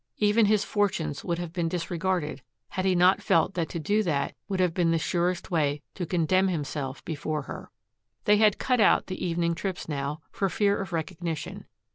Even his fortunes would have been disregarded, had he not felt that to do that would have been the surest way to condemn himself before her. They had cut out the evening trips now, for fear of recognition.